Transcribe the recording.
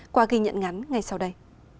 qua ghi nhận ngắn ngay sau đây